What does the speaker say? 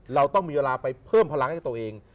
เราต้องมีเวลาไปเพิ่มพลังให้กับตัวเอง